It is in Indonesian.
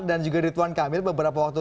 dan juga ridwan kamil beberapa waktu